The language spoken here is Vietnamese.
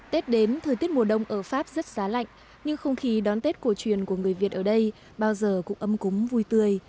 tết đến thời tiết mùa đông ở pháp rất giá lạnh nhưng không khí đón tết cổ truyền của người việt ở đây bao giờ cũng âm cúng vui tươi